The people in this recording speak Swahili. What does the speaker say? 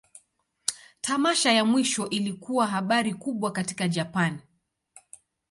Tamasha ya mwisho ilikuwa habari kubwa katika Japan.